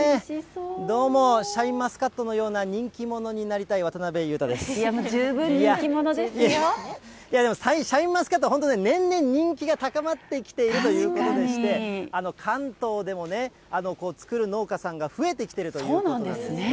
どうも、シャインマスカットのような人気者になりたい、渡辺裕太いやもう、いや、でも、シャインマスカット、本当ね、年々人気が高まってきているということでして、関東でもね、作る農家さんが増えてきてるということなんですね。